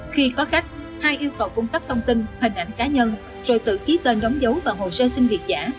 khi có cách hai yêu cầu cung cấp thông tin hình ảnh cá nhân rồi tự ký tên đóng dấu vào hồ sơ xin việc giả